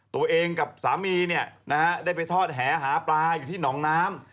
ตัวเองกับสามีได้ไปทอดแหหาปลาอยู่ที่หนองน้ำ